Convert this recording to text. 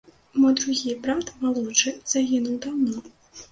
Мой другі брат, малодшы, загінуў даўно.